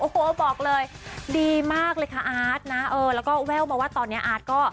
โอ้โหบอกเลยดีมากเลยค่ะอาร์ตนะเออแล้วก็แว่วมาว่าตอนนี้อาร์ตก็